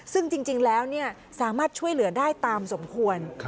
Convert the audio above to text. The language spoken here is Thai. ซึ่งจริงแล้วสามารถช่วยเหลือได้ตามสมควร